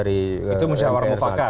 itu musawarung fakat